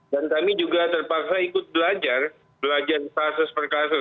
dan kami juga terpaksa ikut belajar belajar kasus per kasus